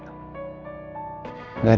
apa yang mereka minta